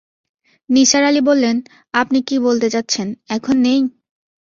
নিসার আলি বললেন, আপনি কি বলতে চাচ্ছেন, এখন নেই?